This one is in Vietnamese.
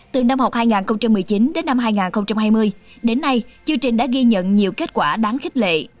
từ năm học hai nghìn một mươi chín đến năm hai nghìn hai mươi đến nay chương trình đã ghi nhận nhiều kết quả đáng khích lệ